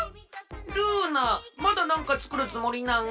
ルーナまだなんかつくるつもりなん？